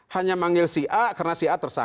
hanya manggil si a karena si a tak bersalah ya